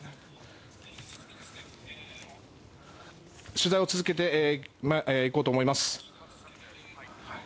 取材を続けていこうと思います。